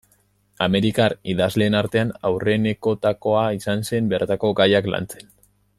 Amerikar idazleen artean aurrenekoetakoa izan zen bertako gaiak lantzen.